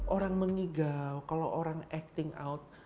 orang mengigau kalau orang acting out